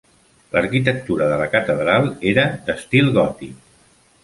L'arquitectura de la catedral era d'estil gòtic.